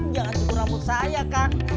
jangan cukur rambut saya kang